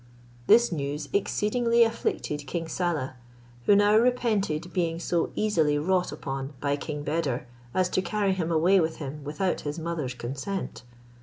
This news exceedingly afflicted King Saleh, who now repented being so easily wrought upon by King Beder as to carry him away with him without his mother's consent.